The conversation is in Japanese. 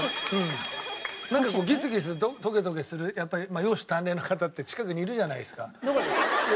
なんかギスギストゲトゲするやっぱり容姿端麗な方って近くにいるじゃないですか。